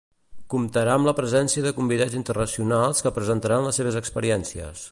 Comptarà amb la presència de convidats internacionals que presentaran les seves experiències.